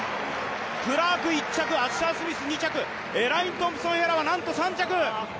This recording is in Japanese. クラーク１着、アッシャー・スミス２着、エライン・トンプソン・ヘラはなんと３着！